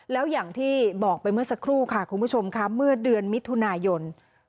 แล้วอย่างที่บอกไปเมื่อสักครู่ค่ะคุณผู้ชมค่ะเมื่อเดือนมิถุนายน